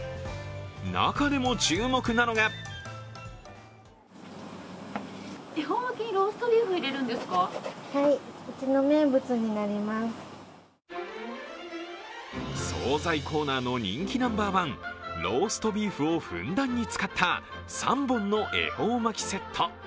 中でも注目なのが総菜コーナーの人気ナンバーワン、ローストビーフをふんだんに使った３本の恵方巻きセット